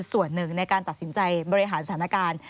ส่วนหนึ่งในการตัดสินใจบริหารสถานการณ์